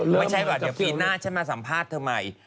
ไม่ใช่ว่าเดี๋ยวปีหน้าฉันมาสัมภาษณ์เธอใหม่